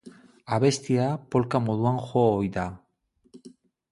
Abestia polka moduan jo ohi da.